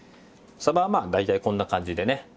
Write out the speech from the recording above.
鯖はまあ大体こんな感じでね